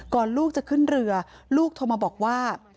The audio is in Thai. ลูกจะขึ้นเรือลูกโทรมาบอกว่า